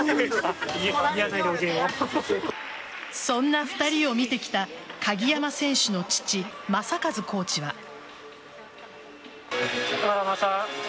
そんな２人を見てきた鍵山選手の父・正和コーチは。